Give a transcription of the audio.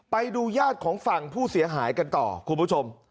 ไปดูญาติของฝั่งผู้เสียหายกันต่อคุณผู้ชม